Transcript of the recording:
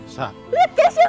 lihat keisha sekarang